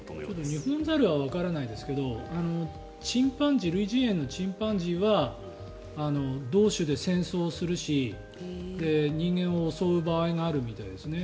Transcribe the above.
ニホンザルはわからないですけどチンパンジー類人猿のチンパンジーは同種で戦争をするし人間を襲う場合もあるんですね。